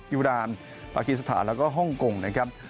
ยูดานปากีสถานแล้วก็ฮ่องกงนะครับ